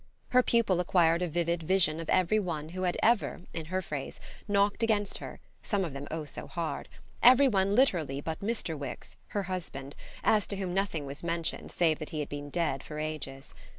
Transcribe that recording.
Her pupil acquired a vivid vision of every one who had ever, in her phrase, knocked against her some of them oh so hard! every one literally but Mr. Wix, her husband, as to whom nothing was mentioned save that he had been dead for ages.